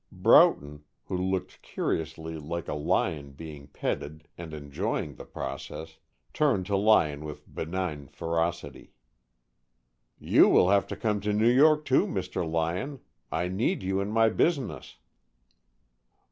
Broughton, who looked curiously like a lion being petted and enjoying the process, turned to Lyon with benign ferocity. "You will have to come to New York, too, Mr. Lyon. I need you in my business."